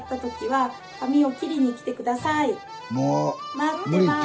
待ってます！